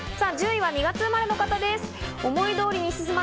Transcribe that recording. １０位は２月生まれの方です。